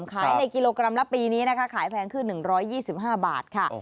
ขายในกิโลกรัมละปีนี้ขายแพงคือ๑๒๕บาทค่ะ